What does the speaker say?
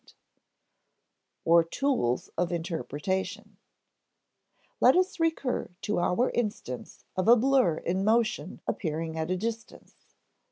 [Sidenote: Or tools of interpretation] Let us recur to our instance of a blur in motion appearing at a distance.